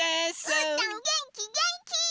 うーたんげんきげんき！